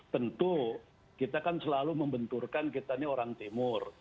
tentu kita kan selalu membenturkan kita ini orang timur